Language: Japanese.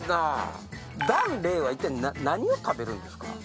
檀れいは一体何を食べるんですか？